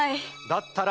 だったら！